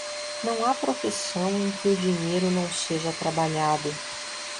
Não há profissão em que o dinheiro não seja trabalhado.